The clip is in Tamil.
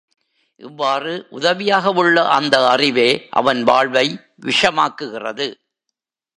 இவ்வாறு உதவியாகவுள்ள அந்த அறிவே அவன் வாழ்வை விஷமாக்குகிறது!